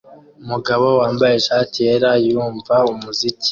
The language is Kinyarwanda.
Umugabo wambaye ishati yera yumva umuziki